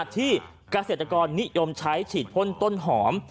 ที่เกษตรกรนิยมใช้ฉีดพ่นต้นหอม